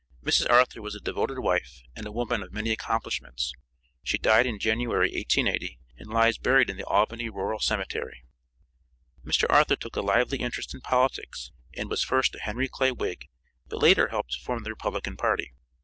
Mrs. Arthur was a devoted wife, and a woman of many accomplishments. She died in January, 1880, and lies buried in the Albany Rural Cemetery. Mr. Arthur took a lively interest in politics, and was first a Henry Clay Whig, but later helped to form the Republican party.